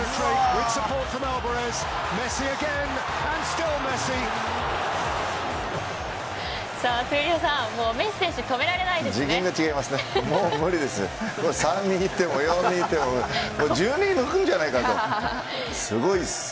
闘莉王さんメッシ選手、止められないですね。